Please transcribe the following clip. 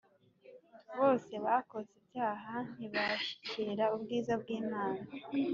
Bose bakoze ibyaha ntibashyikira ubwiza bw’Imana